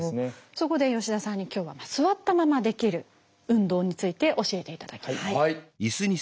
そこで吉田さんに今日は座ったままできる運動について教えていただきます。